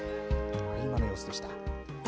今の様子でした。